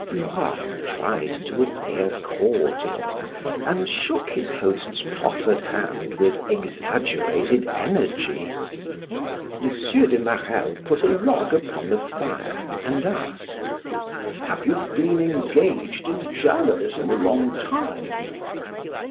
Duroy tried to appear cordial and shook his host's proffered hand with exaggerated energy. M. de Marelle put a log upon the fire and asked: "Have you been engaged in journalism a long time?"